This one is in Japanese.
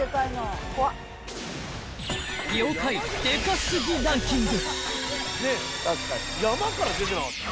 ［妖怪デカすぎランキング］